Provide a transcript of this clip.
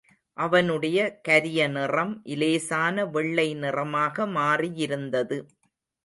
அவனுடைய கரியநிறம் இலேசான வெள்ளை நிறமாக மாறியிருந்தது.